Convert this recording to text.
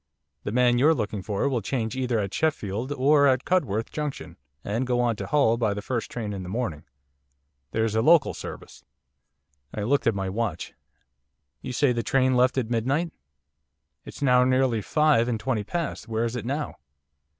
The man you're looking for will change either at Sheffield or at Cudworth Junction and go on to Hull by the first train in the morning. There's a local service.' I looked at my watch. 'You say the train left at midnight. It's now nearly five and twenty past. Where's it now?